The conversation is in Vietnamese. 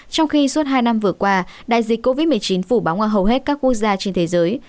trong khi suốt hai năm vừa qua đại dịch covid một mươi chín phủ bóng ở hầu hết các quốc gia trên thế giới